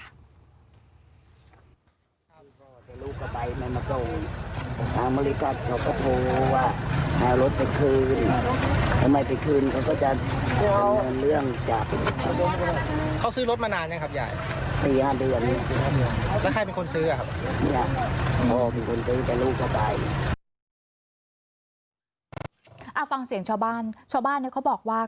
อ่าฟังเสียงช่อบ้านช่อบ้านเขาบอกว่า